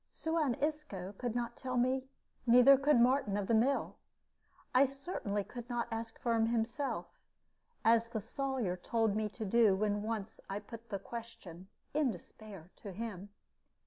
Suan Isco could not tell me, neither could Martin of the mill; I certainly could not ask Firm himself, as the Sawyer told me to do when once I put the question, in despair, to him.